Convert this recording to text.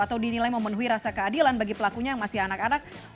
atau dinilai memenuhi rasa keadilan bagi pelakunya yang masih anak anak